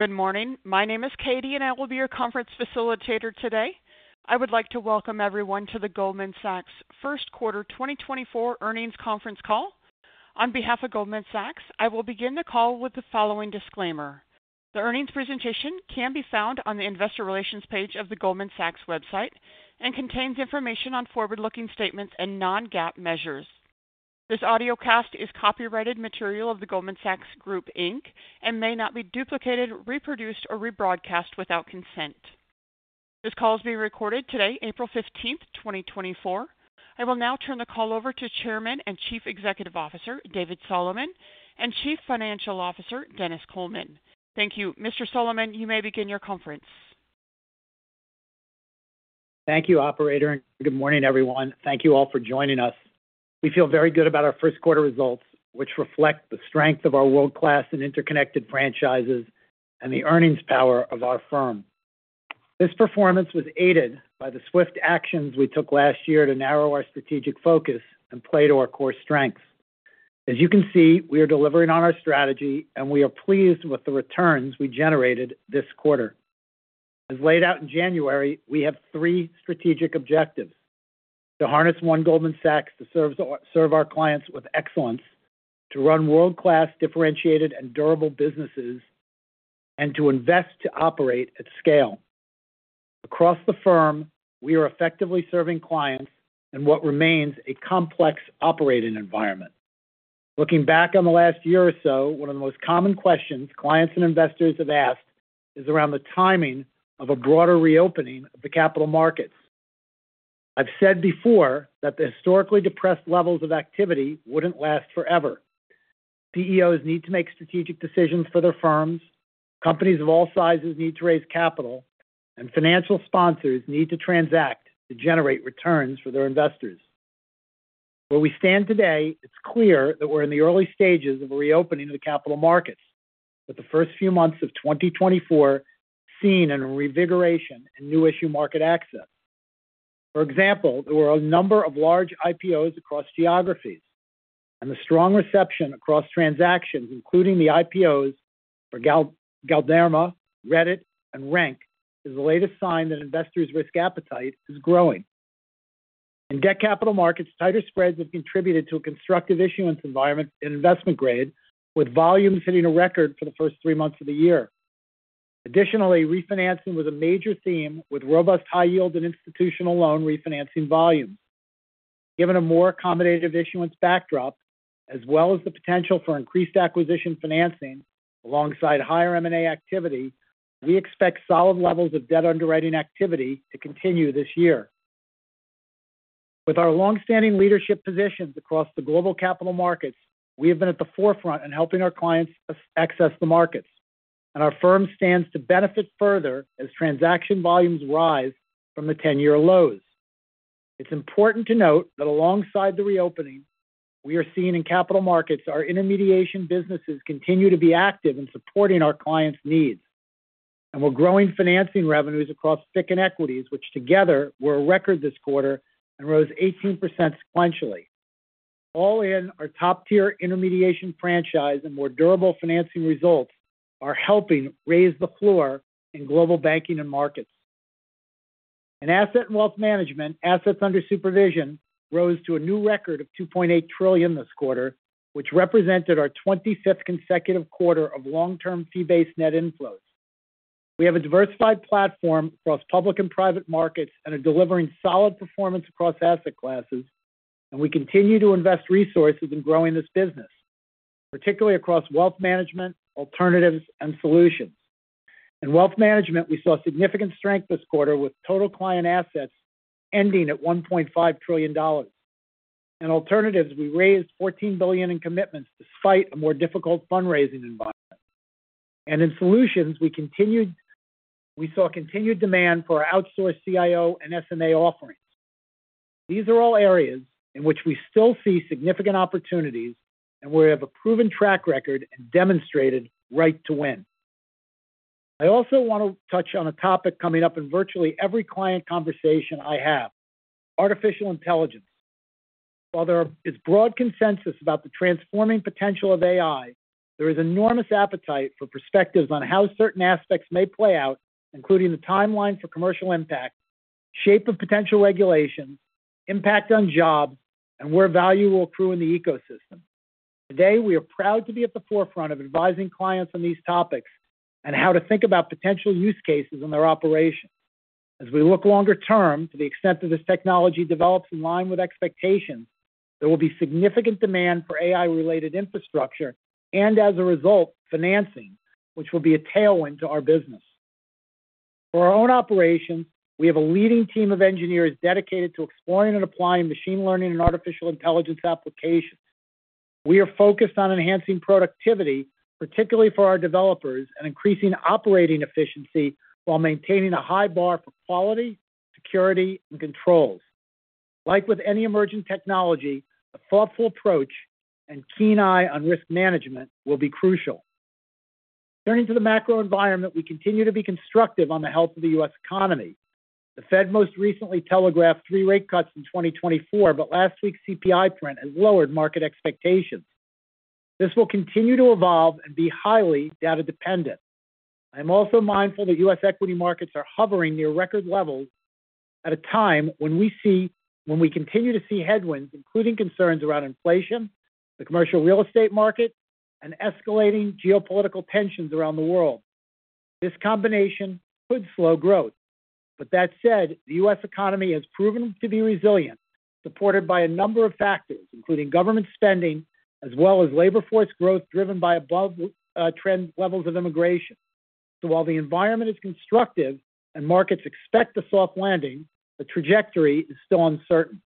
Good morning. My name is Katie, and I will be your conference facilitator today. I would like to welcome everyone to the Goldman Sachs First Quarter 2024 Earnings Conference call. On behalf of Goldman Sachs, I will begin the call with the following disclaimer: the earnings presentation can be found on the Investor Relations page of the Goldman Sachs website and contains information on forward-looking statements and non-GAAP measures. This audiocast is copyrighted material of the Goldman Sachs Group, Inc., and may not be duplicated, reproduced, or rebroadcast without consent. This call is being recorded today, April 15, 2024. I will now turn the call over to Chairman and Chief Executive Officer David Solomon and Chief Financial Officer Denis Coleman. Thank you. Mr. Solomon, you may begin your conference. Thank you, Operator, and good morning, everyone. Thank you all for joining us. We feel very good about our first quarter results, which reflect the strength of our world-class and interconnected franchises and the earnings power of our firm. This performance was aided by the swift actions we took last year to narrow our strategic focus and play to our core strengths. As you can see, we are delivering on our strategy, and we are pleased with the returns we generated this quarter. As laid out in January, we have three strategic objectives: to harness One Goldman Sachs to serve our clients with excellence, to run world-class, differentiated, and durable businesses, and to invest to operate at scale. Across the firm, we are effectively serving clients in what remains a complex operating environment. Looking back on the last year or so, one of the most common questions clients and investors have asked is around the timing of a broader reopening of the capital markets. I've said before that the historically depressed levels of activity wouldn't last forever. CEOs need to make strategic decisions for their firms. Companies of all sizes need to raise capital, and financial sponsors need to transact to generate returns for their investors. Where we stand today, it's clear that we're in the early stages of a reopening of the capital markets, with the first few months of 2024 seeing reinvigoration and new-issue market access. For example, there were a number of large IPOs across geographies, and the strong reception across transactions, including the IPOs for Galderma, Reddit, and Renk, is the latest sign that investors' risk appetite is growing. In debt capital markets, tighter spreads have contributed to a constructive issuance environment and investment grade, with volume hitting a record for the first three months of the year. Additionally, refinancing was a major theme, with robust high-yield and institutional loan refinancing volumes. Given a more accommodative issuance backdrop, as well as the potential for increased acquisition financing alongside higher M&A activity, we expect solid levels of debt underwriting activity to continue this year. With our longstanding leadership positions across the global capital markets, we have been at the forefront in helping our clients access the markets, and our firm stands to benefit further as transaction volumes rise from the 10-year lows. It's important to note that alongside the reopening, we are seeing in capital markets our intermediation businesses continue to be active in supporting our clients' needs, and we're growing financing revenues across FICC and Equities, which together were a record this quarter and rose 18% sequentially. All in, our top-tier intermediation franchise and more durable financing results are helping raise the floor in Global Banking and Markets. In Asset and Wealth Management, assets under supervision rose to a new record of $2.8 trillion this quarter, which represented our 25th consecutive quarter of long-term fee-based net inflows. We have a diversified platform across public and private markets and are delivering solid performance across asset classes, and we continue to invest resources in growing this business, particularly across wealth management, alternatives, and solutions. In wealth management, we saw significant strength this quarter, with total client assets ending at $1.5 trillion. In alternatives, we raised $14 billion in commitments despite a more difficult fundraising environment. In solutions, we saw continued demand for our outsourced CIO and SMA offerings. These are all areas in which we still see significant opportunities and where we have a proven track record and demonstrated right to win. I also want to touch on a topic coming up in virtually every client conversation I have: artificial intelligence. While there is broad consensus about the transforming potential of AI, there is enormous appetite for perspectives on how certain aspects may play out, including the timeline for commercial impact, shape of potential regulations, impact on jobs, and where value will accrue in the ecosystem. Today, we are proud to be at the forefront of advising clients on these topics and how to think about potential use cases in their operations. As we look longer-term, to the extent that this technology develops in line with expectations, there will be significant demand for AI-related infrastructure and, as a result, financing, which will be a tailwind to our business. For our own operations, we have a leading team of engineers dedicated to exploring and applying machine learning and artificial intelligence applications. We are focused on enhancing productivity, particularly for our developers, and increasing operating efficiency while maintaining a high bar for quality, security, and controls. Like with any emerging technology, a thoughtful approach and keen eye on risk management will be crucial. Turning to the macro environment, we continue to be constructive on the health of the U.S. economy. The Fed most recently telegraphed 3 rate cuts in 2024, but last week's CPI print has lowered market expectations. This will continue to evolve and be highly data-dependent. I am also mindful that U.S. equity markets Are hovering near record levels at a time when we continue to see headwinds, including concerns around inflation, the commercial real estate market, and escalating geopolitical tensions around the world. This combination could slow growth. But that said, the U.S. economy has proven to be resilient, supported by a number of factors, including government spending as well as labor force growth driven by above-trend levels of immigration. So while the environment is constructive and markets expect a soft landing, the trajectory is still uncertain.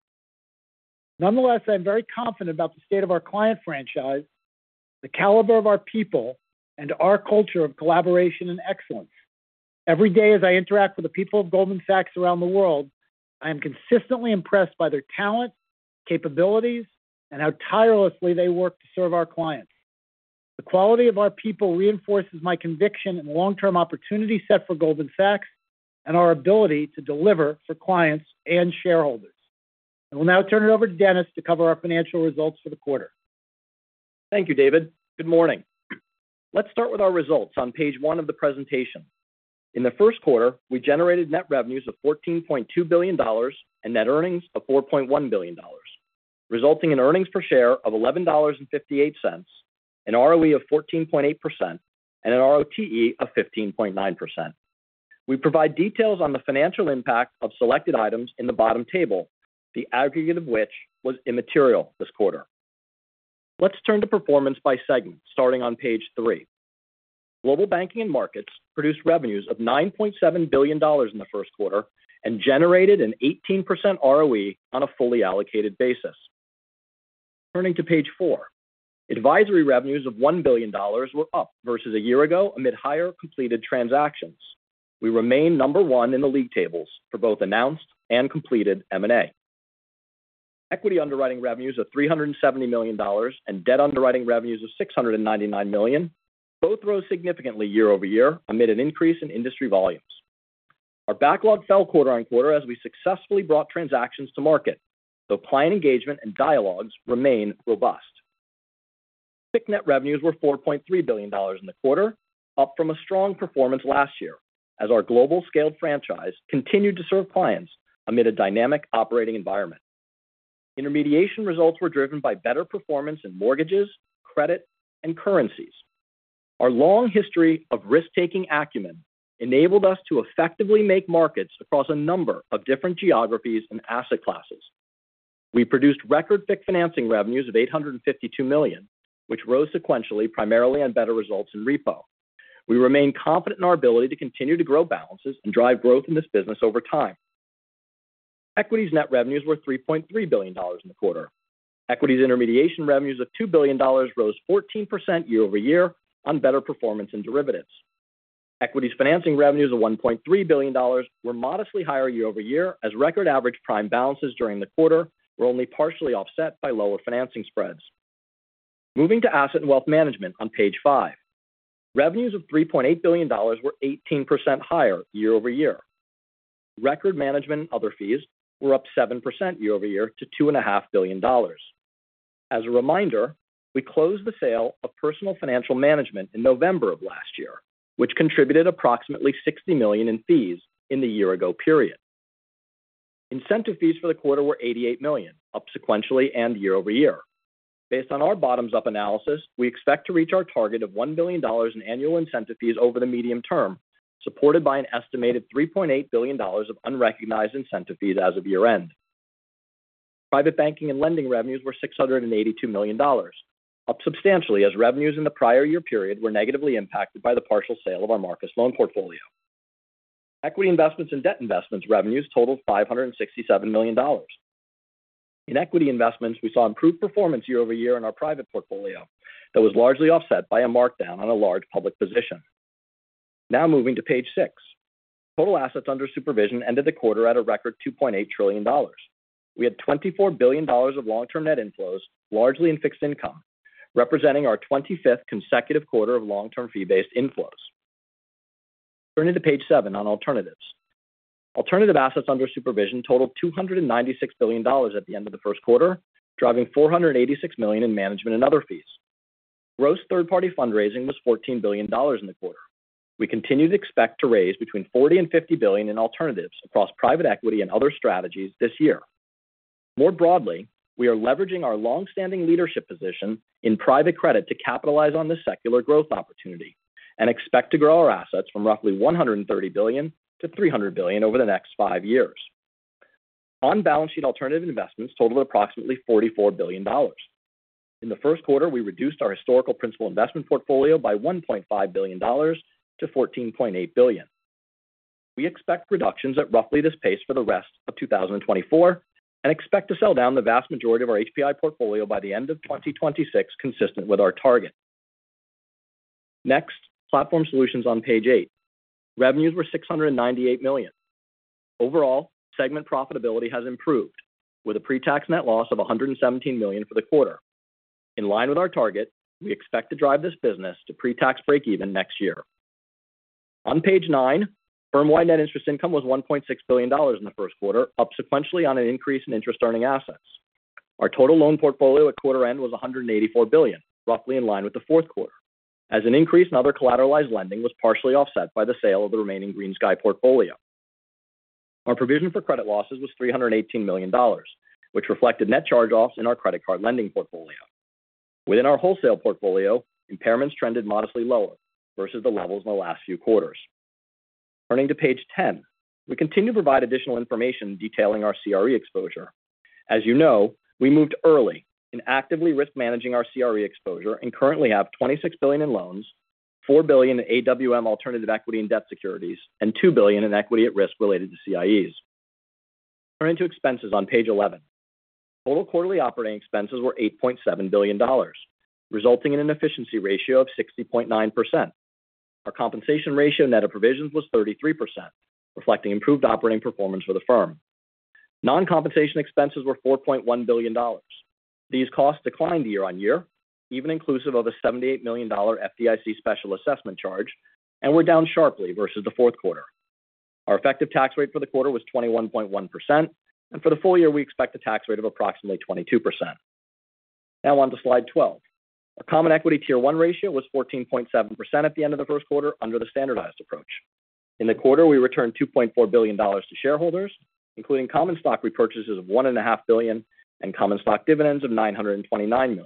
Nonetheless, I am very confident about the state of our client franchise, the caliber of our people, and our culture of collaboration and excellence. Every day as I interact with the people of Goldman Sachs around the world, I am consistently impressed by their talent, capabilities, and how tirelessly they work to serve our clients. The quality of our people reinforces my conviction in the long-term opportunity set for Goldman Sachs and our ability to deliver for clients and shareholders. I will now turn it over to Denis to cover our financial results for the quarter. Thank you, David. Good morning. Let's start with our results on Page 1 of the presentation. In the first quarter, we generated net revenues of $14.2 billion and net earnings of $4.1 billion, resulting in earnings per share of $11.58, an ROE of 14.8%, and an ROTE of 15.9%. We provide details on the financial impact of selected items in the bottom table, the aggregate of which was immaterial this quarter. Let's turn to performance by segment, starting on Page 3. Global Banking and Markets produced revenues of $9.7 billion in the first quarter and generated an 18% ROE on a fully allocated basis. Tuning to Page 4, advisory revenues of $1 billion were up versus a year ago amid higher completed transactions. We remain number one in the league tables for both announced and completed M&A. Equity underwriting revenues of $370 million and debt underwriting revenues of $699 million both rose significantly year-over-year amid an increase in industry volumes. Our backlog fell quarter-over-quarter as we successfully brought transactions to market, though client engagement and dialogues remain robust. FICC net revenues were $4.3 billion in the quarter, up from a strong performance last year as our global-scaled franchise continued to serve clients amid a dynamic operating environment. Intermediation results were driven by better performance in mortgages, credit, and currencies. Our long history of risk-taking acumen enabled us to effectively make markets across a number of different geographies and asset classes. We produced record FICC financing revenues of $852 million, which rose sequentially primarily on better results in repo. We remain confident in our ability to continue to grow balances and drive growth in this business over time. Equities net revenues were $3.3 billion in the quarter. Equities intermediation revenues of $2 billion rose 14% year-over-year on better performance in derivatives. Equities financing revenues of $1.3 billion were modestly higher year-over-year as record average prime balances during the quarter were only partially offset by lower financing spreads. Moving to asset and wealth management on Page 5, revenues of $3.8 billion were 18% higher year-over-year. Record management and other fees were up 7% year-over-year to $2.5 billion. As a reminder, we closed the sale of Personal Financial Management in November of last year, which contributed approximately $60 million in fees in the year-ago period. Incentive fees for the quarter were $88 million, up sequentially and year-over-year. Based on our bottoms-up analysis, we expect to reach our target of $1 billion in annual incentive fees over the medium term, supported by an estimated $3.8 billion of unrecognized incentive fees as of year-end. Private banking and lending revenues were $682 million, up substantially as revenues in the prior year period were negatively impacted by the partial sale of our Marcus loan portfolio. Equity investments and debt investments revenues totaled $567 million. In equity investments, we saw improved performance year-over-year in our private portfolio that was largely offset by a markdown on a large public position. Now moving to Page 6, total assets under supervision ended the quarter at a record $2.8 trillion. We had $24 billion of long-term net inflows, largely in Fixed Income, representing our 25th consecutive quarter of long-term fee-based inflows. Turning to Page 7 on alternatives, alternative assets under supervision totaled $296 billion at the end of the first quarter, driving $486 million in management and other fees. Gross third-party fundraising was $14 billion in the quarter. We continue to expect to raise between $40 billion and $50 billion in alternatives across private equity and other strategies this year. More broadly, we are leveraging our longstanding leadership position in private credit to capitalize on this secular growth opportunity and expect to grow our assets from roughly $130 billion-$300 billion over the next five years. On balance sheet, alternative investments totaled approximately $44 billion. In the first quarter, we reduced our historical principal investment portfolio by $1.5 billion to $14.8 billion. We expect reductions at roughly this pace for the rest of 2024 and expect to sell down the vast majority of our HPI portfolio by the end of 2026, consistent with our target. Next, Platform Solutions on Page 8, revenues were $698 million. Overall, segment profitability has improved, with a pre-tax net loss of $117 million for the quarter. In line with our target, we expect to drive this business to pre-tax break-even next year. On Page 9, firm-wide net interest income was $1.6 billion in the first quarter, up sequentially on an increase in interest-earning assets. Our total loan portfolio at quarter-end was $184 billion, roughly in line with the fourth quarter, as an increase in other collateralized lending was partially offset by the sale of the remaining GreenSky portfolio. Our provision for credit losses was $318 million, which reflected net charge-offs in our credit card lending portfolio. Within our wholesale portfolio, impairments trended modestly lower versus the levels in the last few quarters. Turning to Page 10, we continue to provide additional information detailing our CRE exposure. As you know, we moved early in actively risk-managing our CRE exposure and currently have $26 billion in loans, $4 billion in AWM alternative equity and debt securities, and $2 billion in equity at risk related to CIEs. Turning to expenses on Page 11, total quarterly operating expenses were $8.7 billion, resulting in an efficiency ratio of 60.9%. Our compensation ratio net of provisions was 33%, reflecting improved operating performance for the firm. Non-compensation expenses were $4.1 billion. These costs declined year-on-year, even inclusive of a $78 million FDIC special assessment charge, and were down sharply versus the fourth quarter. Our effective tax rate for the quarter was 21.1%, and for the full year, we expect a tax rate of approximately 22%. Now onto Slide 12. Our Common Equity Tier 1 ratio was 14.7% at the end of the first quarter under the standardized approach. In the quarter, we returned $2.4 billion to shareholders, including common stock repurchases of $1.5 billion and common stock dividends of $929 million.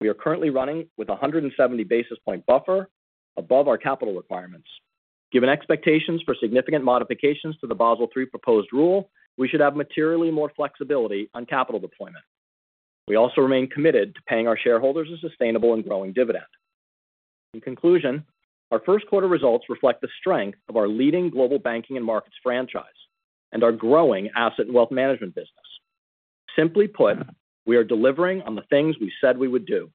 We are currently running with a 170 basis point buffer above our capital requirements. Given expectations for significant modifications to the Basel III proposed rule, we should have materially more flexibility on capital deployment. We also remain committed to paying our shareholders a sustainable and growing dividend. In conclusion, our first quarter results reflect the strength of our leading global banking and markets franchise and our growing asset and wealth management business. Simply put, we are delivering on the things we said we would do.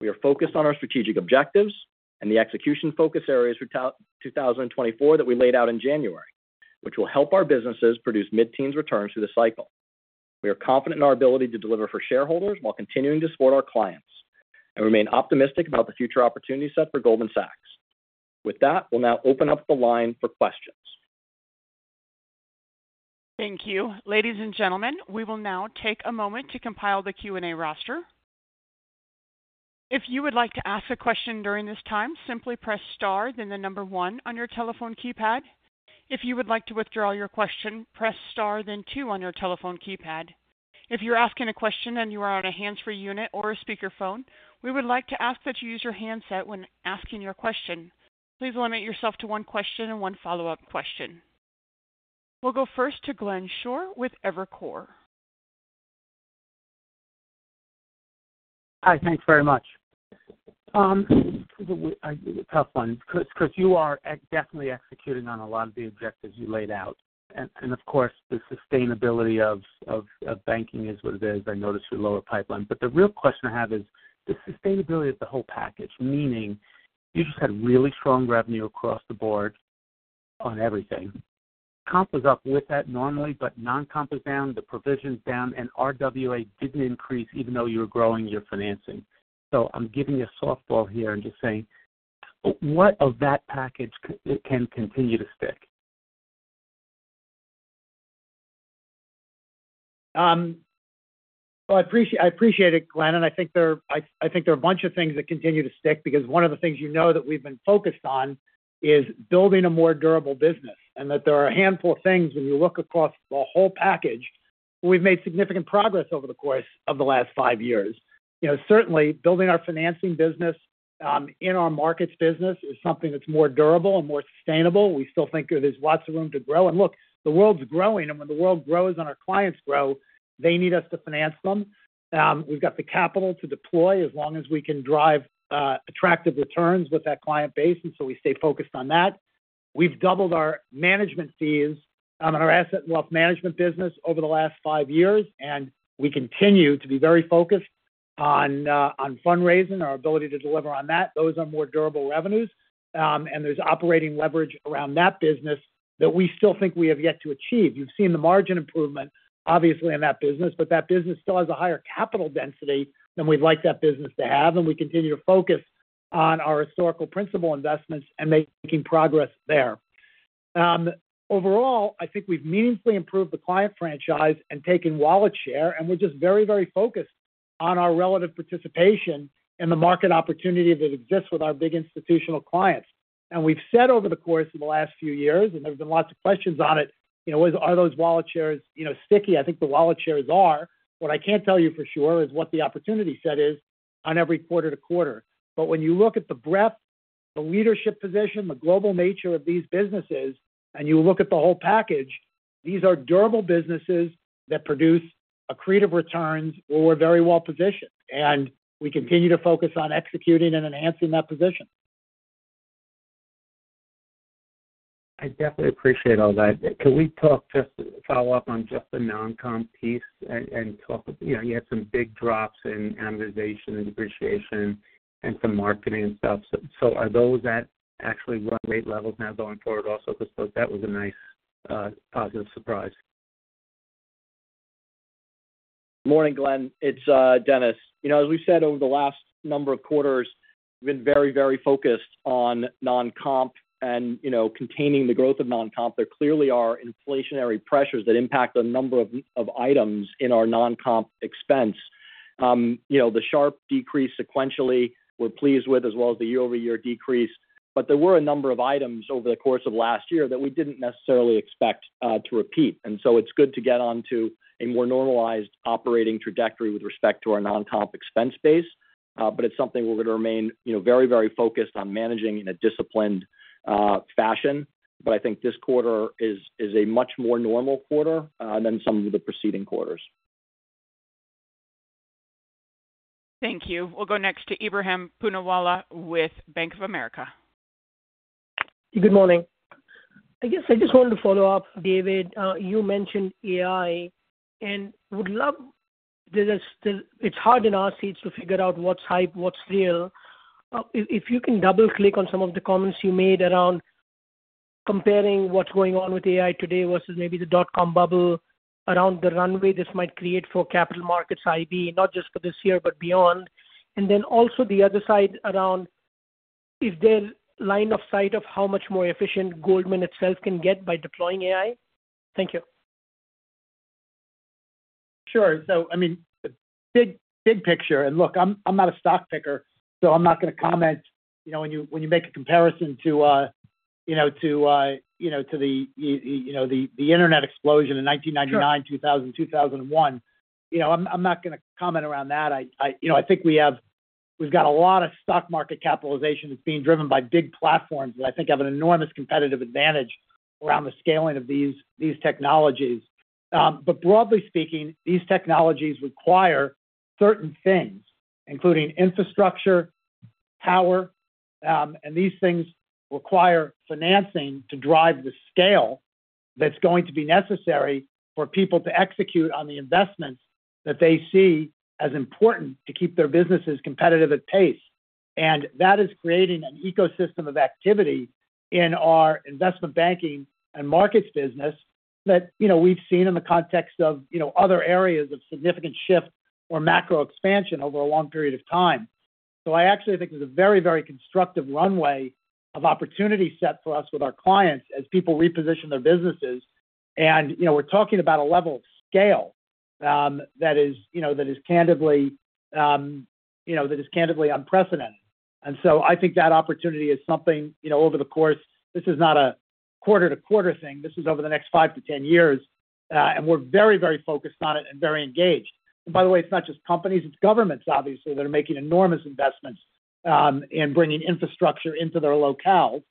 We are focused on our strategic objectives and the execution focus areas for 2024 that we laid out in January, which will help our businesses produce mid-teens returns through the cycle. We are confident in our ability to deliver for shareholders while continuing to support our clients and remain optimistic about the future opportunity set for Goldman Sachs. With that, we'll now open up the line for questions. Thank you. Ladies and gentlemen, we will now take a moment to compile the Q&A roster. If you would like to ask a question during this time, simply press Star, then the number one on your telephone keypad. If you would like to withdraw your question, press Star, then two on your telephone keypad. If you're asking a question and you are on a hands-free unit or a speakerphone, we would like to ask that you use your handset when asking your question. Please limit yourself to one question and one follow-up question. We'll go first to Glenn Schorr with Evercore. Hi, thanks very much. It's a tough one because you are definitely executing on a lot of the objectives you laid out. And of course, the sustainability of banking is what it is. I noticed your lower pipeline. But the real question I have is the sustainability of the whole package, meaning you just had really strong revenue across the board on everything. Comp was up with that normally, but non-comp was down, the provision's down, and RWA didn't increase even though you were growing your financing. So I'm giving you a softball here and just saying, what of that package can continue to stick? Well, I appreciate it, Glenn, and I think there are a bunch of things that continue to stick because one of the things you know that we've been focused on is building a more durable business and that there are a handful of things when you look across the whole package where we've made significant progress over the course of the last five years. Certainly, building our financing business in our markets business is something that's more durable and more sustainable. We still think there's lots of room to grow. And look, the world's growing, and when the world grows and our clients grow, they need us to finance them. We've got the capital to deploy as long as we can drive attractive returns with that client base, and so we stay focused on that. We've doubled our management fees in our Asset and Wealth Management business over the last five years, and we continue to be very focused on fundraising, our ability to deliver on that. Those are more durable revenues, and there's operating leverage around that business that we still think we have yet to achieve. You've seen the margin improvement, obviously, in that business, but that business still has a higher capital density than we'd like that business to have, and we continue to focus on our historical principal investments and making progress there. Overall, I think we've meaningfully improved the client franchise and taken wallet share, and we're just very, very focused on our relative participation in the market opportunity that exists with our big institutional clients. We've said over the course of the last few years, and there have been lots of questions on it, are those wallet shares sticky? I think the wallet shares are. What I can't tell you for sure is what the opportunity set is on every quarter-to-quarter. But when you look at the breadth, the leadership position, the global nature of these businesses, and you look at the whole package, these are durable businesses that produce accretive returns where we're very well positioned. We continue to focus on executing and enhancing that position. I definitely appreciate all that. Can we talk just follow up on just the non-comp piece and talk you had some big drops in amortization and depreciation and some marketing and stuff? So are those that actually run rate levels now going forward also? Because that was a nice positive surprise. Morning, Glenn. It's Denis. As we've said over the last number of quarters, we've been very, very focused on non-comp and containing the growth of non-comp there. Clearly, there are inflationary pressures that impact a number of items in our non-comp expense. The sharp decrease sequentially we're pleased with, as well as the year-over-year decrease. But there were a number of items over the course of last year that we didn't necessarily expect to repeat. And so it's good to get onto a more normalized operating trajectory with respect to our non-comp expense base. But it's something we're going to remain very, very focused on managing in a disciplined fashion. But I think this quarter is a much more normal quarter than some of the preceding quarters. Thank you. We'll go next to Ebrahim Poonawala with Bank of America. Good morning. I guess I just wanted to follow up, David. You mentioned AI, and I'd love it. It's hard in our seats to figure out what's hype, what's real. If you can double-click on some of the comments you made around comparing what's going on with AI today versus maybe the dot-com bubble, around the runway this might create for capital markets, IB, not just for this year but beyond. And then also the other side around, is there line of sight of how much more efficient Goldman itself can get by deploying AI? Thank you. Sure. So I mean, big picture. Look, I'm not a stock picker, so I'm not going to comment when you make a comparison to the internet explosion in 1999, 2000, 2001. I'm not going to comment around that. I think we've got a lot of stock market capitalization that's being driven by big platforms that I think have an enormous competitive advantage around the scaling of these technologies. But broadly speaking, these technologies require certain things, including infrastructure, power, and these things require financing to drive the scale that's going to be necessary for people to execute on the investments that they see as important to keep their businesses competitive at pace. That is creating an ecosystem of activity in our Investment Banking and Markets business that we've seen in the context of other areas of significant shift or macro expansion over a long period of time. So I actually think there's a very, very constructive runway of opportunity set for us with our clients as people reposition their businesses. And we're talking about a level of scale that is candidly that is candidly unprecedented. And so I think that opportunity is something over the course. This is not a quarter-to-quarter thing. This is over the next 5-10 years. And we're very, very focused on it and very engaged. And by the way, it's not just companies. It's governments, obviously, that are making enormous investments in bringing infrastructure into their locales.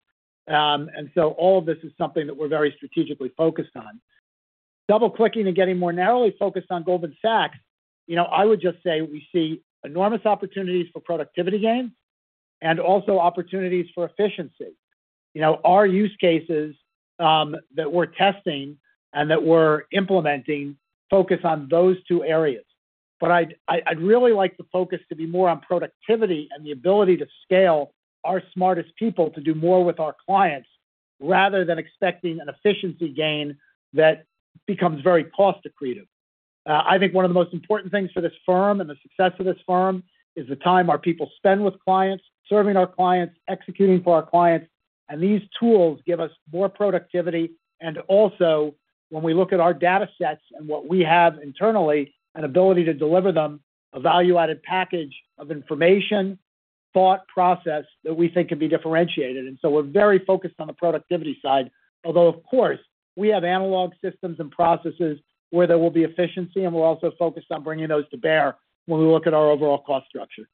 And so all of this is something that we're very strategically focused on. Double-clicking and getting more narrowly focused on Goldman Sachs, I would just say we see enormous opportunities for productivity gains and also opportunities for efficiency. Our use cases that we're testing and that we're implementing focus on those two areas. But I'd really like the focus to be more on productivity and the ability to scale our smartest people to do more with our clients rather than expecting an efficiency gain that becomes very cost-accretive. I think one of the most important things for this firm and the success of this firm is the time our people spend with clients, serving our clients, executing for our clients. And these tools give us more productivity. And also, when we look at our data sets and what we have internally, an ability to deliver them a value-added package of information, thought, process that we think can be differentiated. And so we're very focused on the productivity side, although, of course, we have analog systems and processes where there will be efficiency, and we're also focused on bringing those to bear when we look at our overall cost structure.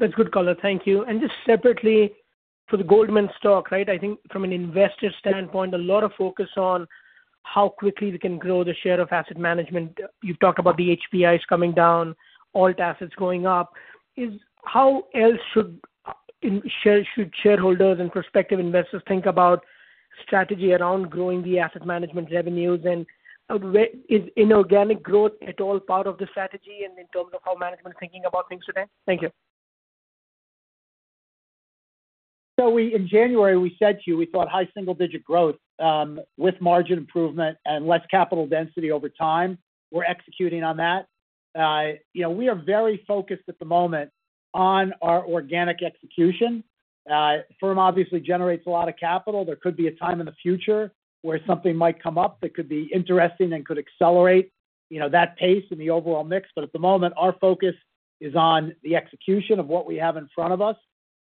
That's good color. Thank you. Just separately for the Goldman stock, right, I think from an investor standpoint, a lot of focus on how quickly we can grow the share of asset management. You've talked about the HPIs coming down, alt assets going up. How else should shareholders and prospective investors think about strategy around growing the asset management revenues? And is inorganic growth at all part of the strategy and in terms of how management is thinking about things today? Thank you. So in January, we said to you we saw a high single-digit growth with margin improvement and less capital density over time. We're executing on that. We are very focused at the moment on our organic execution. The firm, obviously, generates a lot of capital. There could be a time in the future where something might come up that could be interesting and could accelerate that pace in the overall mix. But at the moment, our focus is on the execution of what we have in front of us.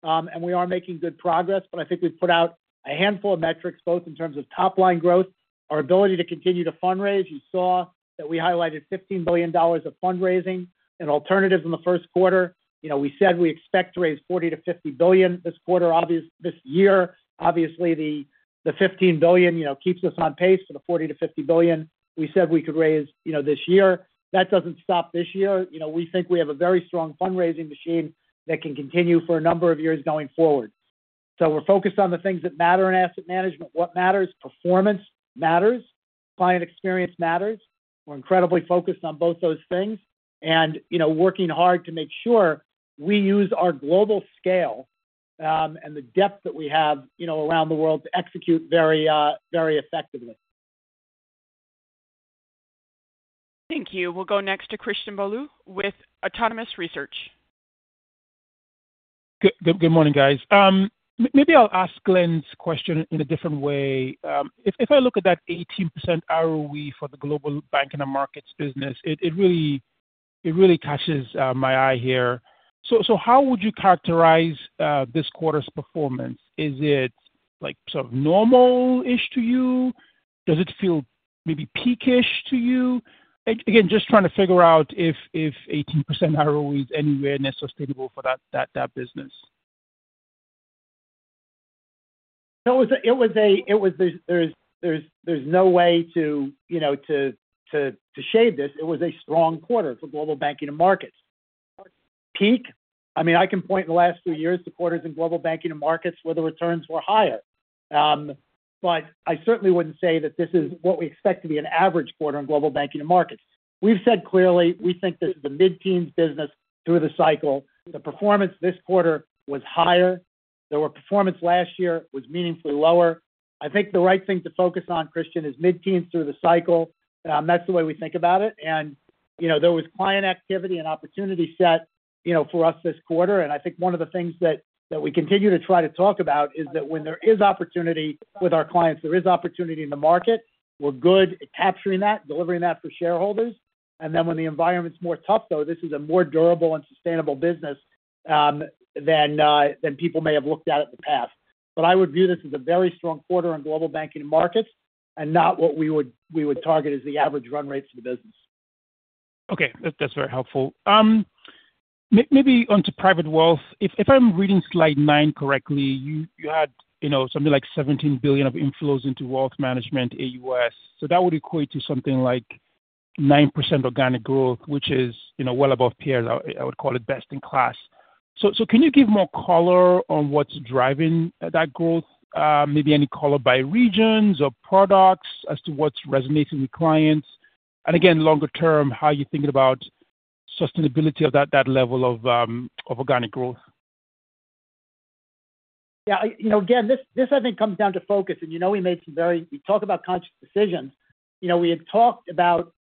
And we are making good progress. But I think we've put out a handful of metrics both in terms of top-line growth, our ability to continue to fundraise. You saw that we highlighted $15 billion of fundraising and alternatives in the first quarter. We said we expect to raise $40 billion-$50 billion this quarter, this year. Obviously, the $15 billion keeps us on pace for the $40 billion-$50 billion. We said we could raise this year. That doesn't stop this year. We think we have a very strong fundraising machine that can continue for a number of years going forward. So we're focused on the things that matter in asset management. What matters? Performance matters. Client experience matters. We're incredibly focused on both those things and working hard to make sure we use our global scale and the depth that we have around the world to execute very effectively. Thank you. We'll go next to Christian Bolu with Autonomous Research. Good morning, guys. Maybe I'll ask Glenn's question in a different way. If I look at that 18% ROE for the global banking and markets business, it really catches my eye here. So how would you characterize this quarter's performance? Is it sort of normal-ish to you? Does it feel maybe peak-ish to you? Again, just trying to figure out if 18% ROE is anywhere near sustainable for that business. No, it was. There's no way to shade this. It was a strong quarter for Global Banking and Markets. Peak? I mean, I can point in the last few years to quarters in Global Banking and Markets where the returns were higher. But I certainly wouldn't say that this is what we expect to be an average quarter in Global Banking and Markets. We've said clearly we think this is a mid-teens business through the cycle. The performance this quarter was higher. The performance last year was meaningfully lower. I think the right thing to focus on, Christian, is mid-teens through the cycle. That's the way we think about it. And there was client activity and opportunity set for us this quarter. I think one of the things that we continue to try to talk about is that when there is opportunity with our clients, there is opportunity in the market. We're good at capturing that, delivering that for shareholders. Then when the environment's more tough, though, this is a more durable and sustainable business than people may have looked at it in the past. I would view this as a very strong quarter in global banking and markets and not what we would target as the average run rate for the business. Okay. That's very helpful. Maybe onto private wealth. If I'm reading Slide 9 correctly, you had something like $17 billion of inflows into wealth management, AUM. So that would equate to something like 9% organic growth, which is well above peers. I would call it best in class. So can you give more color on what's driving that growth? Maybe any color by regions or products as to what's resonating with clients? And again, longer-term, how are you thinking about sustainability of that level of organic growth? Yeah. Again, this, I think, comes down to focus. And we made some very conscious decisions we talk about. We had talked about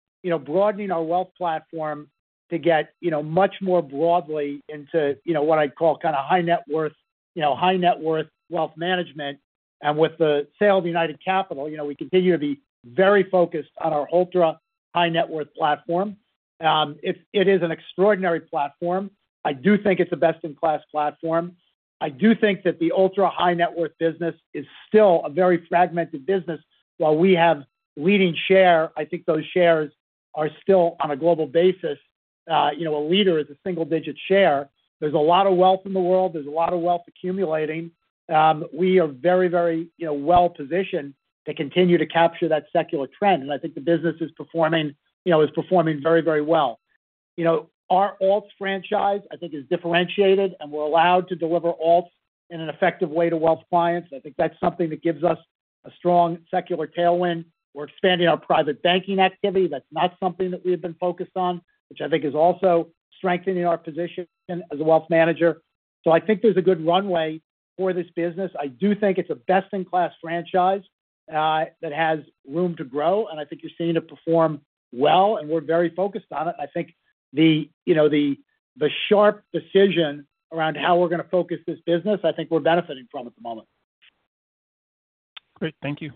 broadening our wealth platform to get much more broadly into what I'd call kind of high-net-worth wealth management. And with the sale of United Capital, we continue to be very focused on our ultra-high-net-worth platform. It is an extraordinary platform. I do think it's a best-in-class platform. I do think that the ultra-high-net-worth business is still a very fragmented business. While we have leading share, I think those shares are still on a global basis. A leader is a single-digit share. There's a lot of wealth in the world. There's a lot of wealth accumulating. We are very, very well positioned to continue to capture that secular trend. And I think the business is performing very, very well. Our alts franchise, I think, is differentiated, and we're allowed to deliver alts in an effective way to wealth clients. I think that's something that gives us a strong secular tailwind. We're expanding our private banking activity. That's not something that we have been focused on, which I think is also strengthening our position as a wealth manager. So I think there's a good runway for this business. I do think it's a best-in-class franchise that has room to grow. And I think you're seeing it perform well, and we're very focused on it. And I think the sharp decision around how we're going to focus this business, I think we're benefiting from at the moment. Great. Thank you.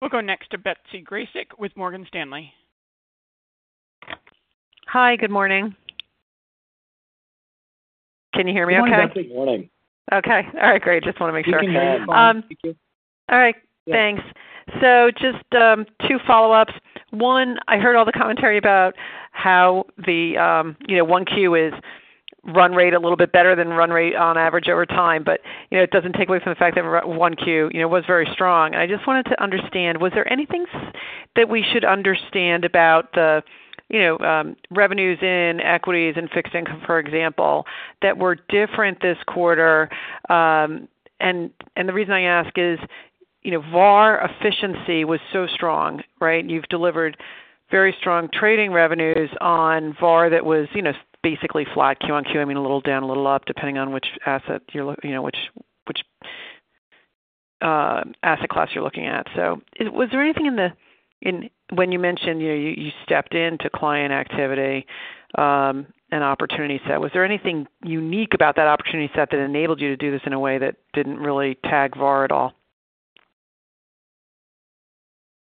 We'll go next to Betsy Graseck with Morgan Stanley. Hi. Good morning. Can you hear me okay? Good morning. Good morning. Okay. All right. Great. Just want to make sure. You can hear me. Thank you. All right. Thanks. So just two follow-ups. One, I heard all the commentary about how the 1Q is run rate a little bit better than run rate on average over time. But it doesn't take away from the fact that 1Q was very strong. And I just wanted to understand, was there anything that we should understand about the revenues in equities and Fixe Income, for example, that were different this quarter? And the reason I ask is VAR efficiency was so strong, right? You've delivered very strong trading revenues on VAR that was basically flat Q on Q, I mean, a little down, a little up, depending on which asset class you're looking at. So, was there anything, when you mentioned you stepped into client activity and opportunity set, was there anything unique about that opportunity set that enabled you to do this in a way that didn't really tag VAR at all?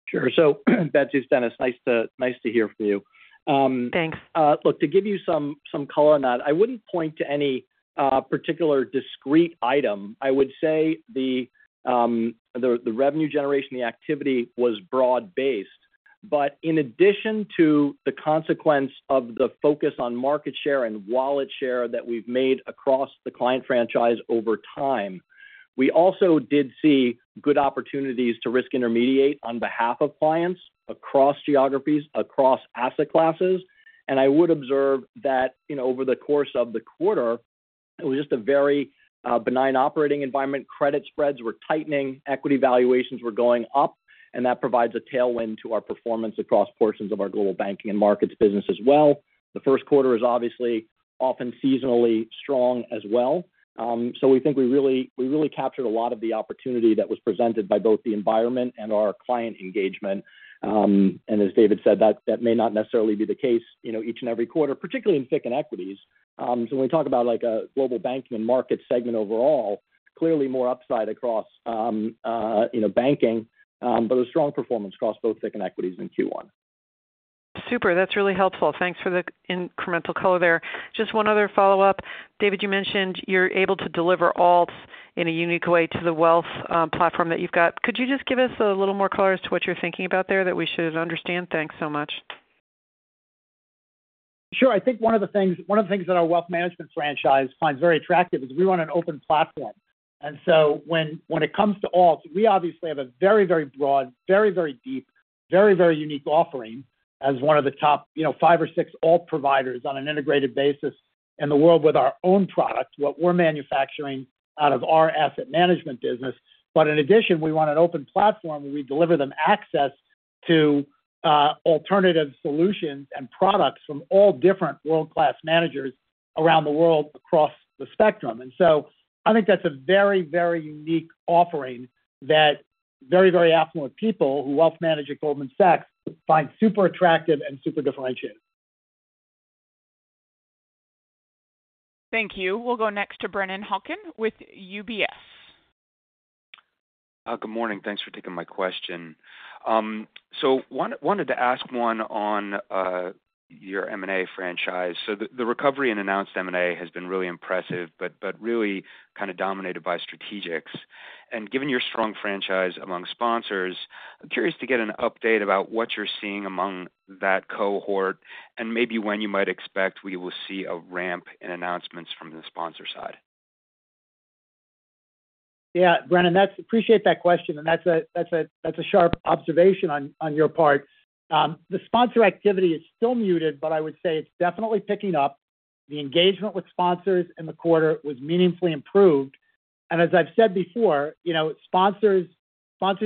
Sure. So, Betsy, Denis. Nice to hear from you. Thanks. Look, to give you some color on that, I wouldn't point to any particular discrete item. I would say the revenue generation, the activity was broad-based. But in addition to the consequence of the focus on market share and wallet share that we've made across the client franchise over time, we also did see good opportunities to risk intermediate on behalf of clients across geographies, across asset classes. And I would observe that over the course of the quarter, it was just a very benign operating environment. Credit spreads were tightening. Equity valuations were going up. And that provides a tailwind to our performance across portions of our global banking and markets business as well. The first quarter is obviously often seasonally strong as well. So we think we really captured a lot of the opportunity that was presented by both the environment and our client engagement. As David said, that may not necessarily be the case each and every quarter, particularly in FICC and Equities. When we talk about a global banking and markets segment overall, clearly more upside across banking, but a strong performance across both FICC and equities in Q1. Super. That's really helpful. Thanks for the incremental color there. Just one other follow-up. David, you mentioned you're able to deliver alts in a unique way to the wealth platform that you've got. Could you just give us a little more colors to what you're thinking about there that we should understand? Thanks so much. Sure. I think one of the things that our wealth management franchise finds very attractive is we run an open platform. And so when it comes to alts, we obviously have a very, very broad, very, very deep, very, very unique offering as one of the top five or six alt providers on an integrated basis in the world with our own products, what we're manufacturing out of our asset management business. But in addition, we run an open platform where we deliver them access to alternative solutions and products from all different world-class managers around the world across the spectrum. And so I think that's a very, very unique offering that very, very affluent people who wealth manage at Goldman Sachs find super attractive and super differentiated. Thank you. We'll go next to Brennan Hawken with UBS. Good morning. Thanks for taking my question. Wanted to ask one on your M&A franchise. The recovery in announced M&A has been really impressive but really kind of dominated by strategics. Given your strong franchise among sponsors, I'm curious to get an update about what you're seeing among that cohort and maybe when you might expect we will see a ramp in announcements from the sponsor side. Yeah, Brennan, appreciate that question. That's a sharp observation on your part. The sponsor activity is still muted, but I would say it's definitely picking up. The engagement with sponsors in the quarter was meaningfully improved. As I've said before, sponsors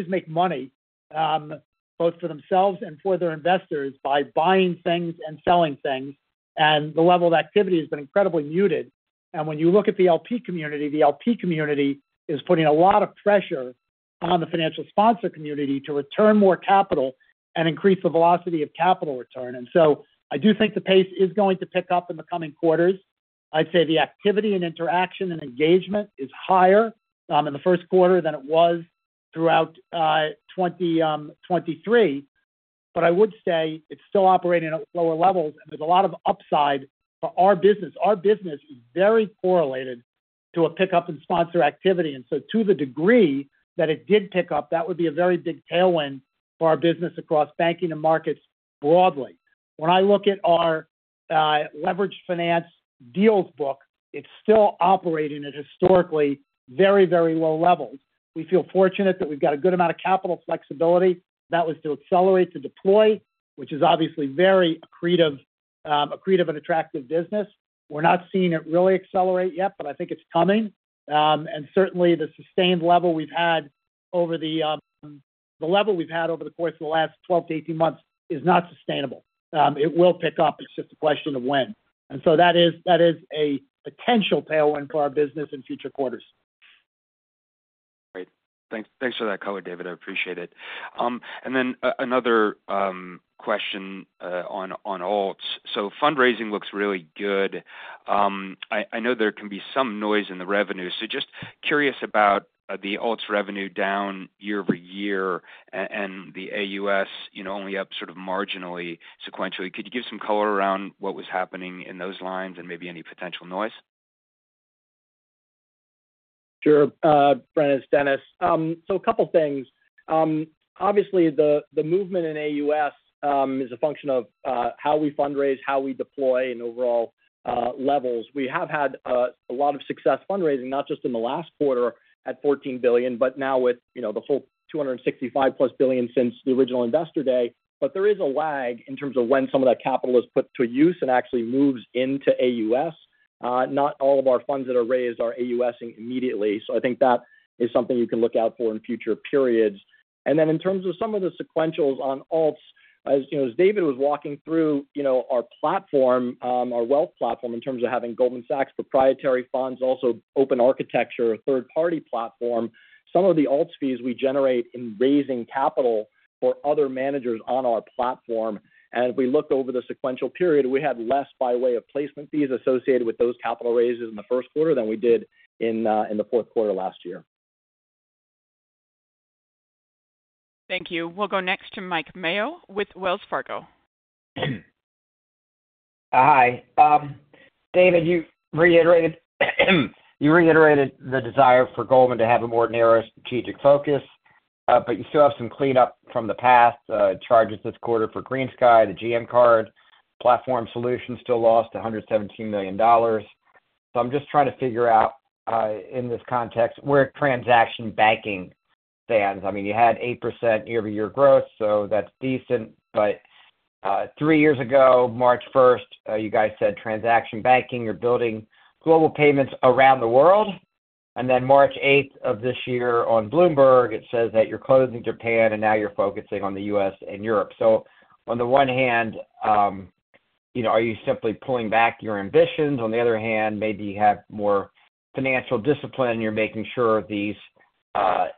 make money both for themselves and for their investors by buying things and selling things. The level of activity has been incredibly muted. When you look at the LP community, the LP community is putting a lot of pressure on the financial sponsor community to return more capital and increase the velocity of capital return. So I do think the pace is going to pick up in the coming quarters. I'd say the activity and interaction and engagement is higher in the first quarter than it was throughout 2023. But I would say it's still operating at lower levels, and there's a lot of upside for our business. Our business is very correlated to a pickup in sponsor activity. And so to the degree that it did pick up, that would be a very big tailwind for our business across banking and markets broadly. When I look at our leveraged finance deals book, it's still operating at historically very, very low levels. We feel fortunate that we've got a good amount of capital flexibility. That was to accelerate, to deploy, which is obviously very accretive and attractive business. We're not seeing it really accelerate yet, but I think it's coming. And certainly, the sustained level we've had over the level we've had over the course of the last 12-18 months is not sustainable. It will pick up. It's just a question of when. That is a potential tailwind for our business in future quarters. Great. Thanks for that color, David. I appreciate it. And then another question on alts. So fundraising looks really good. I know there can be some noise in the revenue. So just curious about the alts revenue down year-over-year and the AUS only up sort of marginally sequentially. Could you give some color around what was happening in those lines and maybe any potential noise? Sure, Brennan, it's Denis. So a couple of things. Obviously, the movement in AUM is a function of how we fundraise, how we deploy, and overall levels. We have had a lot of success fundraising, not just in the last quarter at $14 billion, but now with the full $265+ billion since the original Investor Day. But there is a lag in terms of when some of that capital is put to use and actually moves into AUS. Not all of our funds that are raised are AUS immediately. So I think that is something you can look out for in future periods. And then, in terms of some of the sequentials on alts, as David was walking through our platform, our wealth platform in terms of having Goldman Sachs proprietary funds, also open architecture, third-party platform, some of the alts fees we generate in raising capital for other managers on our platform. And if we look over the sequential period, we had less by way of placement fees associated with those capital raises in the first quarter than we did in the fourth quarter last year. Thank you. We'll go next to Mike Mayo with Wells Fargo. Hi. David, you reiterated the desire for Goldman to have a more narrow strategic focus. But you still have some cleanup from the past charges this quarter for GreenSky, the GM Card. Platform Solutions still lost $117 million. So I'm just trying to figure out in this context where transaction banking stands. I mean, you had 8% year-over-year growth, so that's decent. But three years ago, March 1st, you guys said transaction banking, you're building global payments around the world. And then March 8th of this year on Bloomberg, it says that you're closing Japan, and now you're focusing on the U.S. and Europe. So on the one hand, are you simply pulling back your ambitions? On the other hand, maybe you have more financial discipline, and you're making sure these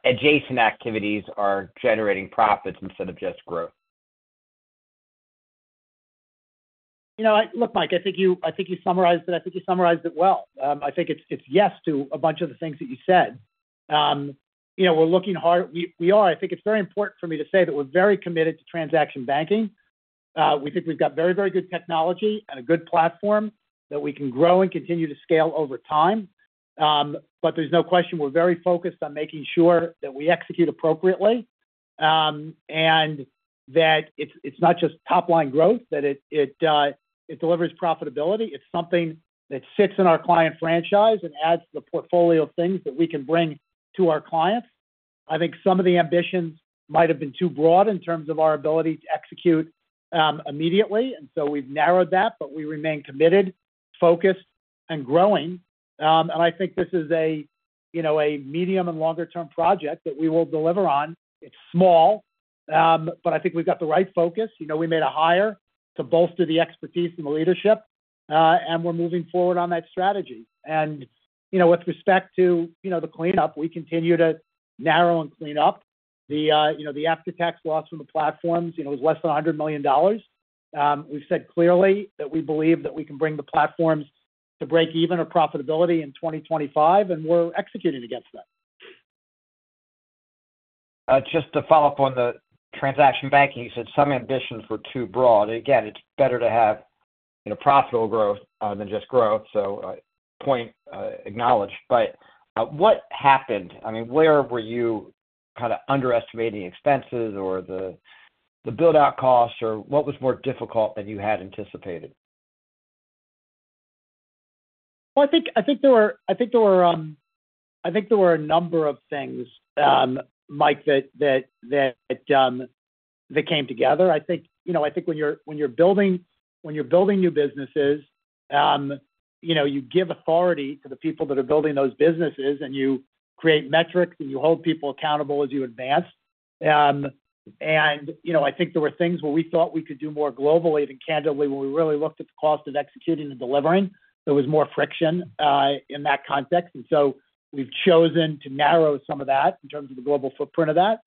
adjacent activities are generating profits instead of just growth. Look, Mike, I think you summarized it. I think you summarized it well. I think it's yes to a bunch of the things that you said. We're looking hard. We are. I think it's very important for me to say that we're very committed to transaction banking. We think we've got very, very good technology and a good platform that we can grow and continue to scale over time. But there's no question we're very focused on making sure that we execute appropriately and that it's not just top-line growth, that it delivers profitability. It's something that sits in our client franchise and adds to the portfolio of things that we can bring to our clients. I think some of the ambitions might have been too broad in terms of our ability to execute immediately. And so we've narrowed that, but we remain committed, focused, and growing. I think this is a medium and longer-term project that we will deliver on. It's small, but I think we've got the right focus. We made a hire to bolster the expertise and the leadership, and we're moving forward on that strategy. With respect to the cleanup, we continue to narrow and clean up. The after-tax loss from the platforms was less than $100 million. We've said clearly that we believe that we can bring the platforms to break even or profitability in 2025, and we're executing against that. Just to follow-up on the transaction banking, you said some ambitions were too broad. Again, it's better to have profitable growth than just growth, so point acknowledged. But what happened? I mean, where were you kind of underestimating expenses or the build-out costs, or what was more difficult than you had anticipated? Well, I think there were a number of things, Mike, that came together. I think when you're building new businesses, you give authority to the people that are building those businesses, and you create metrics, and you hold people accountable as you advance. I think there were things where we thought we could do more globally. Even candidly, when we really looked at the cost of executing and delivering, there was more friction in that context. So we've chosen to narrow some of that in terms of the global footprint of that.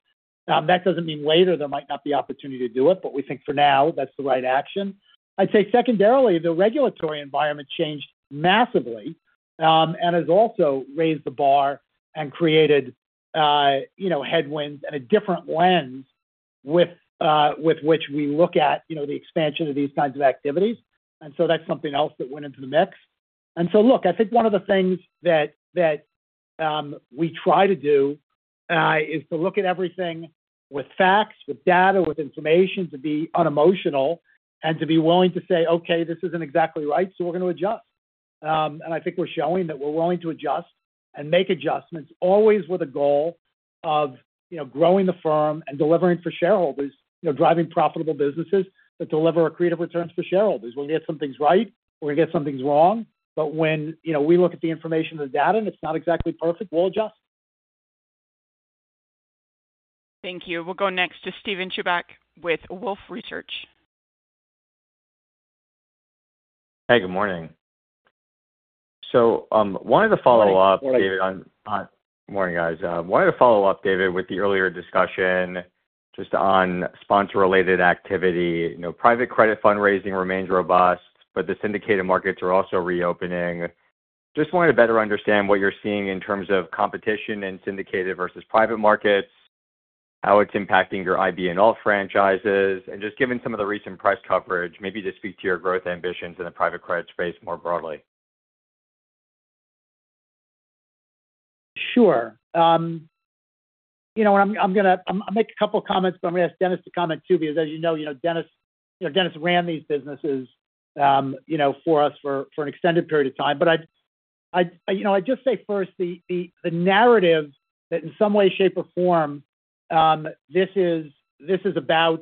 That doesn't mean later there might not be opportunity to do it, but we think for now, that's the right action. I'd say secondarily, the regulatory environment changed massively and has also raised the bar and created headwinds and a different lens with which we look at the expansion of these kinds of activities. That's something else that went into the mix. Look, I think one of the things that we try to do is to look at everything with facts, with data, with information, to be unemotional and to be willing to say, "Okay, this isn't exactly right, so we're going to adjust." I think we're showing that we're willing to adjust and make adjustments, always with a goal of growing the firm and delivering for shareholders, driving profitable businesses that deliver accretive returns for shareholders. We're going to get some things right. We're going to get some things wrong. But when we look at the information and the data, and it's not exactly perfect, we'll adjust. Thank you. We'll go next to Steven Chubak with Wolfe Research. Hey, good morning. So one of the follow-ups, David. Good morning. Morning, guys. One of the follow-ups, David, with the earlier discussion just on sponsor-related activity, private credit fundraising remains robust, but the syndicated markets are also reopening. Just wanted to better understand what you're seeing in terms of competition in syndicated versus private markets, how it's impacting your IB and alt franchises, and just given some of the recent press coverage, maybe to speak to your growth ambitions in the private credit space more broadly. Sure. And I'm going to make a couple of comments, but I'm going to ask Denis to comment too because, as you know, Denis ran these businesses for us for an extended period of time. But I'd just say first, the narrative that in some way, shape, or form, this is about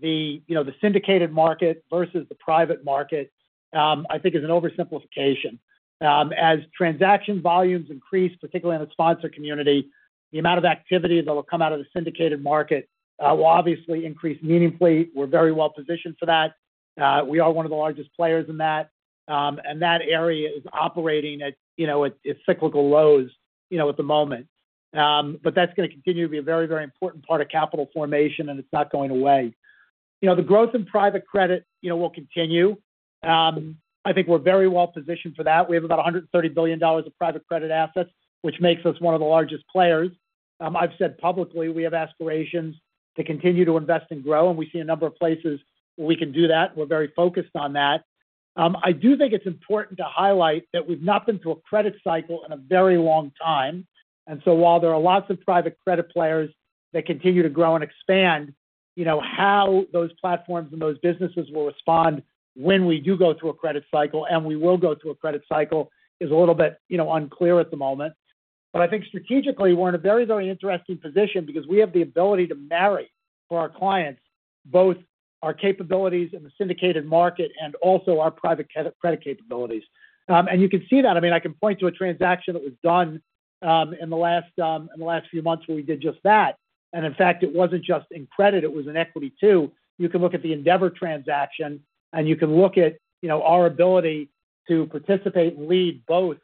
the syndicated market versus the private market, I think, is an oversimplification. As transaction volumes increase, particularly in the sponsor community, the amount of activity that will come out of the syndicated market will obviously increase meaningfully. We're very well positioned for that. We are one of the largest players in that. And that area is operating at cyclical lows at the moment. But that's going to continue to be a very, very important part of capital formation, and it's not going away. The growth in private credit will continue. I think we're very well positioned for that. We have about $130 billion of private credit assets, which makes us one of the largest players. I've said publicly we have aspirations to continue to invest and grow, and we see a number of places where we can do that. We're very focused on that. I do think it's important to highlight that we've not been through a credit cycle in a very long time. And so while there are lots of private credit players that continue to grow and expand, how those platforms and those businesses will respond when we do go through a credit cycle and we will go through a credit cycle is a little bit unclear at the moment. But I think strategically, we're in a very, very interesting position because we have the ability to marry for our clients both our capabilities in the syndicated market and also our private credit capabilities. And you can see that. I mean, I can point to a transaction that was done in the last few months where we did just that. And in fact, it wasn't just in credit. It was in equity too. You can look at the Endeavor transaction, and you can look at our ability to participate and lead both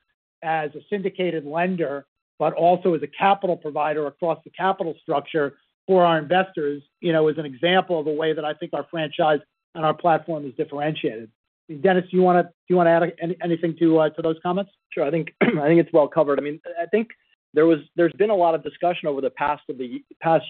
as a syndicated lender but also as a capital provider across the capital structure for our investors as an example of the way that I think our franchise and our platform is differentiated. I mean, Denis, do you want to add anything to those comments? Sure. I think it's well covered. I mean, I think there's been a lot of discussion over the past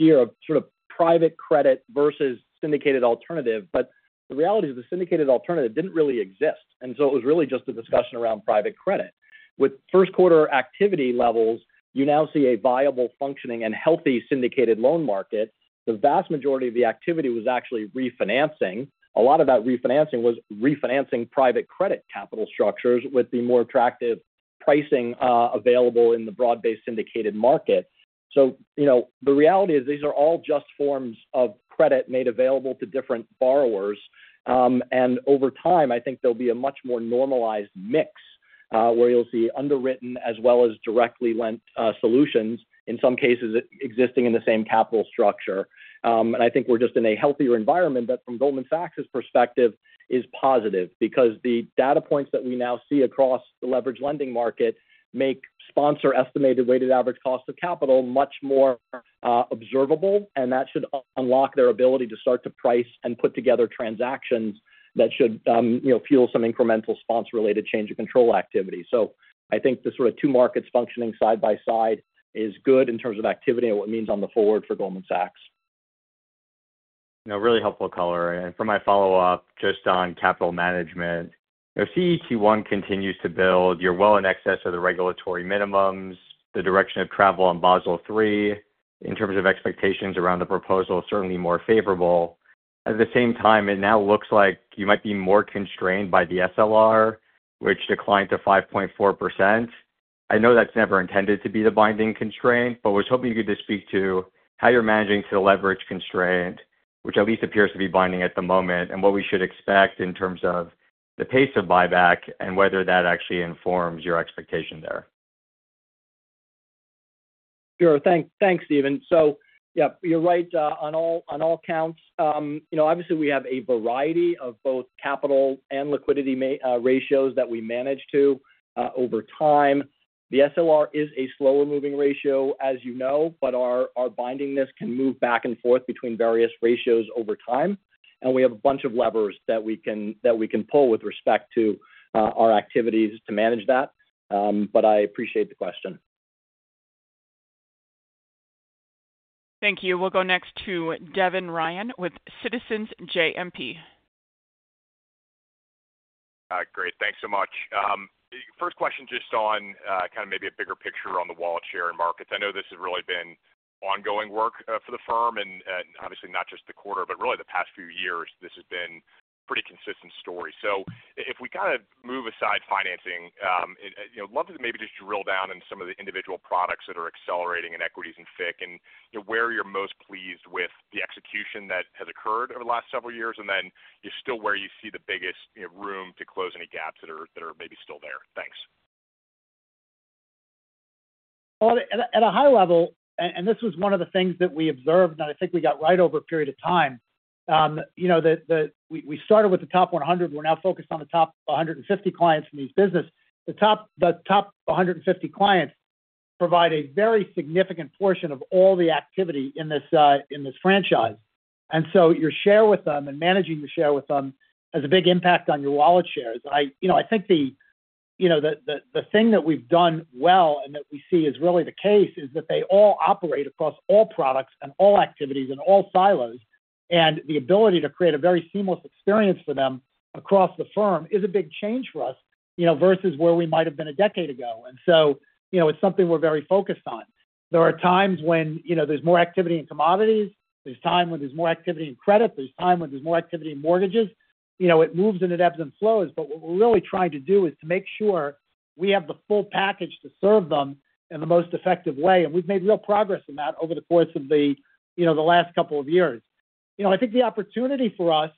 year of sort of private credit versus syndicated alternative. But the reality is the syndicated alternative didn't really exist. And so it was really just a discussion around private credit. With first-quarter activity levels, you now see a viable, functioning, and healthy syndicated loan market. The vast majority of the activity was actually refinancing. A lot of that refinancing was refinancing private credit capital structures with the more attractive pricing available in the broad-based syndicated market. So the reality is these are all just forms of credit made available to different borrowers. And over time, I think there'll be a much more normalized mix where you'll see underwritten as well as directly lent solutions, in some cases, existing in the same capital structure. I think we're just in a healthier environment that, from Goldman Sachs's perspective, is positive because the data points that we now see across the leveraged lending market make sponsor-estimated weighted average cost of capital much more observable. That should unlock their ability to start to price and put together transactions that should fuel some incremental sponsor-related change of control activity. I think the sort of two markets functioning side by side is good in terms of activity and what it means on the forward for Goldman Sachs. No, really helpful color. For my follow-up just on capital management, CET1 continues to build. You're well in excess of the regulatory minimums. The direction of travel on Basel III in terms of expectations around the proposal is certainly more favorable. At the same time, it now looks like you might be more constrained by the SLR, which declined to 5.4%. I know that's never intended to be the binding constraint, but was hoping you could speak to how you're managing to leverage constraint, which at least appears to be binding at the moment, and what we should expect in terms of the pace of buyback and whether that actually informs your expectation there. Sure. Thanks, Steven. So yeah, you're right on all counts. Obviously, we have a variety of both capital and liquidity ratios that we manage to over time. The SLR is a slower-moving ratio, as you know, but our bindingness can move back and forth between various ratios over time. And we have a bunch of levers that we can pull with respect to our activities to manage that. But I appreciate the question. Thank you. We'll go next to Devin Ryan with Citizens JMP. Great. Thanks so much. First question just on kind of maybe a bigger picture on the wallet share and markets. I know this has really been ongoing work for the firm, and obviously, not just the quarter, but really the past few years, this has been a pretty consistent story. So if we kind of move aside financing, I'd love to maybe just drill down into some of the individual products that are accelerating in equities and FICC, and where you're most pleased with the execution that has occurred over the last several years, and then still where you see the biggest room to close any gaps that are maybe still there. Thanks. Well, at a high level and this was one of the things that we observed, and I think we got right over a period of time. We started with the top 100. We're now focused on the top 150 clients in these businesses. The top 150 clients provide a very significant portion of all the activity in this franchise. And so your share with them and managing your share with them has a big impact on your wallet shares. And I think the thing that we've done well and that we see is really the case is that they all operate across all products and all activities and all silos. And the ability to create a very seamless experience for them across the firm is a big change for us versus where we might have been a decade ago. And so it's something we're very focused on. There are times when there's more activity in commodities. There's time when there's more activity in credit. There's time when there's more activity in mortgages. It moves and it ebbs and flows. But what we're really trying to do is to make sure we have the full package to serve them in the most effective way. And we've made real progress in that over the course of the last couple of years. I think the opportunity for us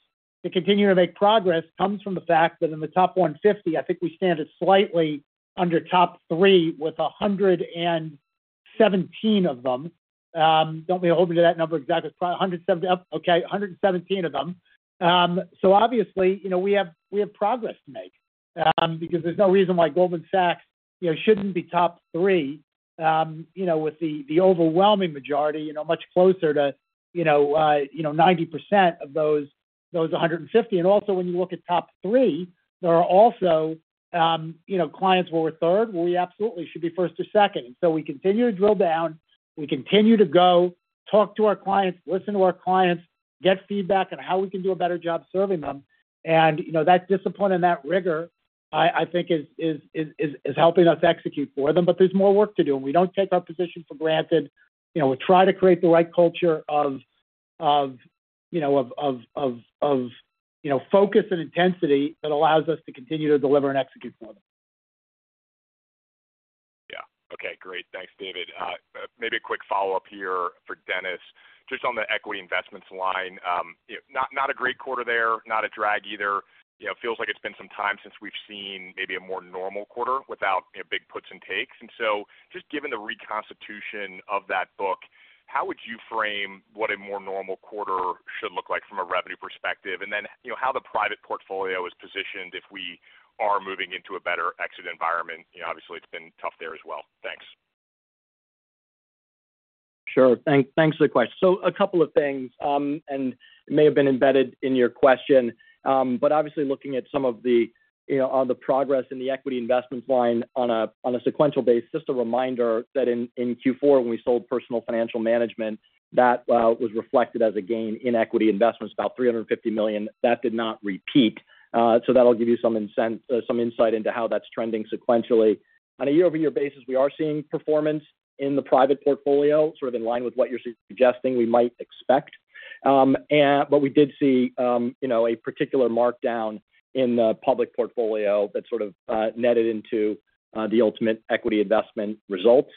to continue to make progress comes from the fact that in the top 150, I think we stand slightly under top 3 with 117 of them. Don't be holding to that number exactly. Okay, 117 of them. So obviously, we have progress to make because there's no reason why Goldman Sachs shouldn't be top 3 with the overwhelming majority, much closer to 90% of those 150. And also, when you look at top three, there are also clients where we're third, where we absolutely should be first or second. And so we continue to drill down. We continue to go, talk to our clients, listen to our clients, get feedback on how we can do a better job serving them. And that discipline and that rigor, I think, is helping us execute for them. But there's more work to do. And we don't take our position for granted. We try to create the right culture of focus and intensity that allows us to continue to deliver and execute for them. Yeah. Okay. Great. Thanks, David. Maybe a quick follow-up here for Denis just on the equity investments line. Not a great quarter there. Not a drag either. Feels like it's been some time since we've seen maybe a more normal quarter without big puts and takes. So just given the reconstitution of that book, how would you frame what a more normal quarter should look like from a revenue perspective? And then how the private portfolio is positioned if we are moving into a better exit environment? Obviously, it's been tough there as well. Thanks. Sure. Thanks for the question. So a couple of things. It may have been embedded in your question. Obviously, looking at some of the progress in the equity investments line on a sequential basis, just a reminder that in Q4, when we sold Personal Financial Management, that was reflected as a gain in equity investments, about $350 million. That did not repeat. So that'll give you some insight into how that's trending sequentially. On a year-over-year basis, we are seeing performance in the private portfolio sort of in line with what you're suggesting we might expect. We did see a particular markdown in the public portfolio that sort of netted into the ultimate equity investment results.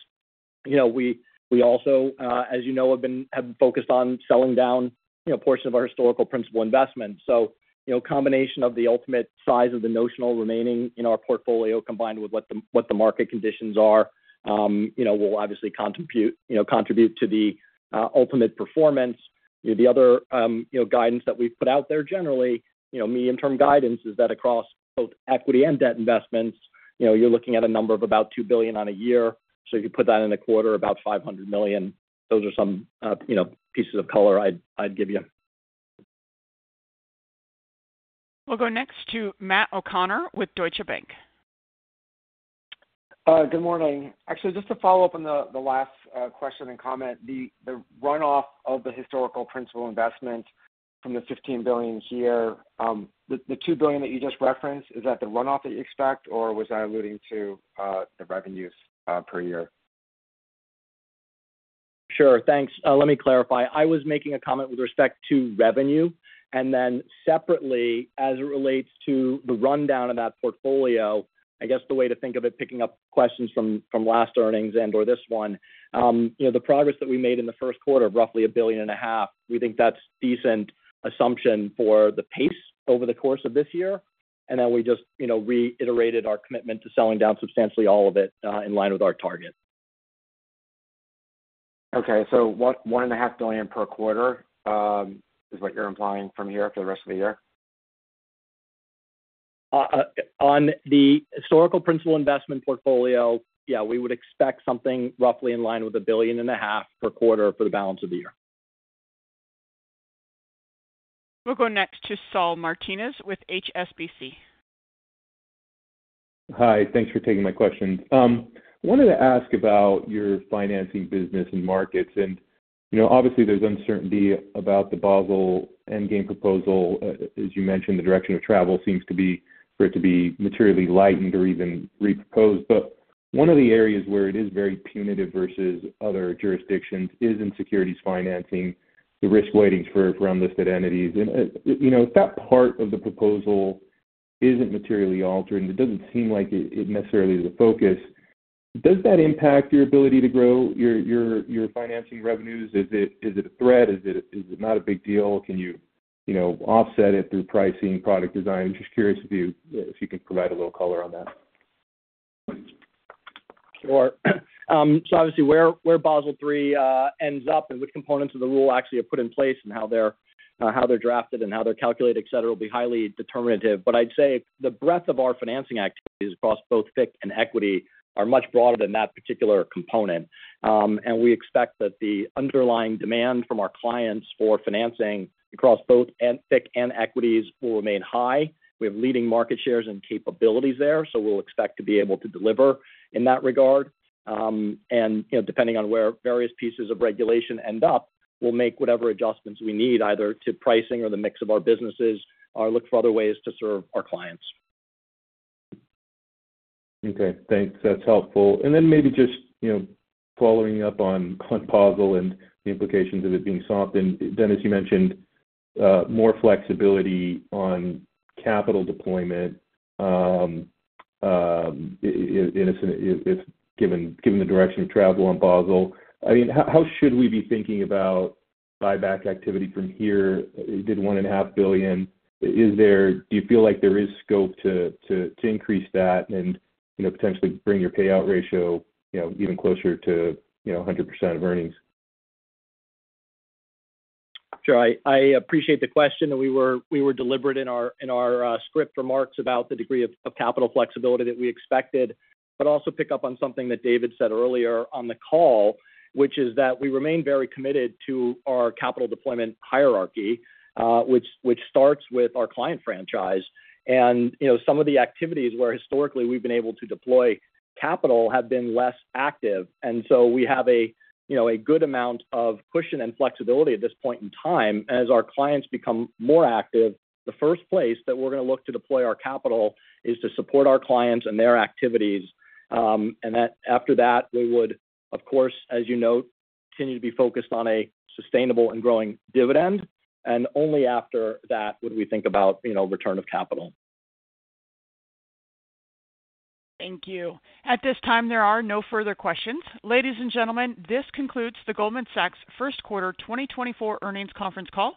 We also, as you know, have focused on selling down a portion of our historical principal investments. So a combination of the ultimate size of the notional remaining in our portfolio combined with what the market conditions are will obviously contribute to the ultimate performance. The other guidance that we've put out there generally, medium-term guidance, is that across both equity and debt investments, you're looking at a number of about $2 billion on a year. So if you put that in a quarter, about $500 million. Those are some pieces of color I'd give you. We'll go next to Matt O'Connor with Deutsche Bank. Good morning. Actually, just to follow up on the last question and comment, the runoff of the historical principal investments from the $15 billion here, the $2 billion that you just referenced, is that the runoff that you expect, or was I alluding to the revenues per year? Sure. Thanks. Let me clarify. I was making a comment with respect to revenue. And then separately, as it relates to the rundown of that portfolio, I guess the way to think of it, picking up questions from last earnings and/or this one, the progress that we made in the first quarter of roughly $1.5 billion, we think that's a decent assumption for the pace over the course of this year. And then we just reiterated our commitment to selling down substantially all of it in line with our target. Okay. $1.5 billion per quarter is what you're implying from here for the rest of the year? On the historical principal investment portfolio, yeah, we would expect something roughly in line with $1.5 billion per quarter for the balance of the year. We'll go next to Saul Martinez with HSBC. Hi. Thanks for taking my questions. I wanted to ask about your financing business and markets. And obviously, there's uncertainty about the Basel Endgame proposal. As you mentioned, the direction of travel seems to be for it to be materially lightened or even reproposed. But one of the areas where it is very punitive versus other jurisdictions is in securities financing, the risk weightings for unlisted entities. And if that part of the proposal isn't materially altered, and it doesn't seem like it necessarily is the focus, does that impact your ability to grow your financing revenues? Is it a threat? Is it not a big deal? Can you offset it through pricing, product design? I'm just curious if you can provide a little color on that. Sure. So obviously, where Basel III ends up and which components of the rule actually are put in place and how they're drafted and how they're calculated, etc., will be highly determinative. But I'd say the breadth of our financing activities across both FICC and Equity are much broader than that particular component. And we expect that the underlying demand from our clients for financing across both FICC and Equities will remain high. We have leading market shares and capabilities there, so we'll expect to be able to deliver in that regard. And depending on where various pieces of regulation end up, we'll make whatever adjustments we need, either to pricing or the mix of our businesses, or look for other ways to serve our clients. Okay. Thanks. That's helpful. Then maybe just following up on Basel and the implications of it being softened. Denis, you mentioned more flexibility on capital deployment given the direction of travel on Basel. I mean, how should we be thinking about buyback activity from here? You did $1.5 billion. Do you feel like there is scope to increase that and potentially bring your payout ratio even closer to 100% of earnings? Sure. I appreciate the question. And we were deliberate in our script remarks about the degree of capital flexibility that we expected, but also pick up on something that David said earlier on the call, which is that we remain very committed to our capital deployment hierarchy, which starts with our client franchise. And some of the activities where historically we've been able to deploy capital have been less active. And so we have a good amount of cushion and flexibility at this point in time. And as our clients become more active, the first place that we're going to look to deploy our capital is to support our clients and their activities. And after that, we would, of course, as you note, continue to be focused on a sustainable and growing dividend. And only after that would we think about return of capital. Thank you. At this time, there are no further questions. Ladies and gentlemen, this concludes the Goldman Sachs first quarter 2024 earnings conference call.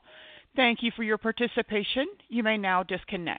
Thank you for your participation. You may now disconnect.